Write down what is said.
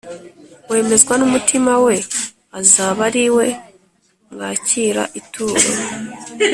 wemezwa n umutima we azaba ari we mwakira ituro